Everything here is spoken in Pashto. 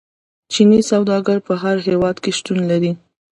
چیني سوداګر په هر هیواد کې شتون لري.